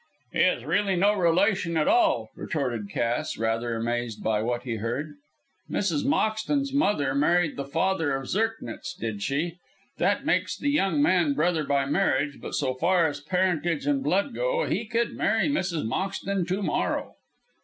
"He is really no relation at all," retorted Cass, rather amazed by what he heard. "Mrs. Moxton's mother married the father of Zirknitz, did she? That makes the young man brother by marriage, but so far as parentage and blood go, he could marry Mrs. Moxton to morrow."